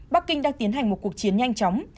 bắc kinh đang tiến hành một cuộc chiến nhanh chóng